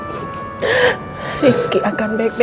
botol kecap jahat banget sama el